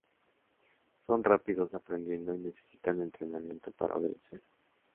Son rápidos aprendiendo y necesitan entrenamiento para obedecer.